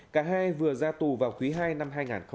cả hai vừa ra tù vào quý ii năm hai nghìn một mươi chín